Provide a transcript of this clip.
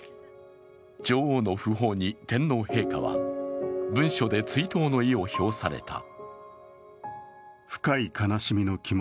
女王の訃報に天皇陛下は文書で追悼の意を表された。